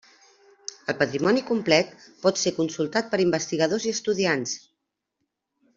El patrimoni complet pot ser consultat per investigadors i estudiants.